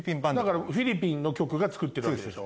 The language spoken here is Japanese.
だからフィリピンの局が作ってるわけでしょ？